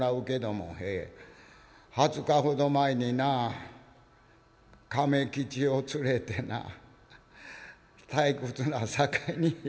「２０日ほど前にな亀吉を連れてな退屈なさかいに」。